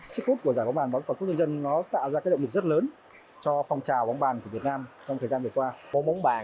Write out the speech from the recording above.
sức hút của giải bóng bàn toàn quốc báo nhân dân tạo ra động lực rất lớn